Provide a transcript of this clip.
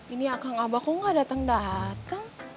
ini kakak abah kok gak datang datang